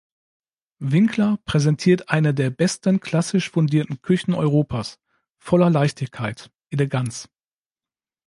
Winkler „präsentiert eine der besten klassisch fundierten Küchen Europas, voller Leichtigkeit, Eleganz“.